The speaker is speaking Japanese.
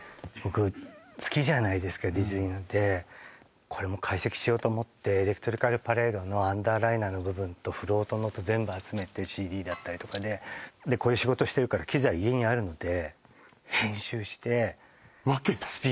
僕好きじゃないですかディズニーでこれも解析しようと思ってエレクトリカルパレードのアンダーライナーの部分とフロートの音全部集めてＣＤだったりとかででこういう仕事してるから機材家にあるので編集して分けたの？